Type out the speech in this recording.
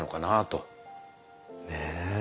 ねえ。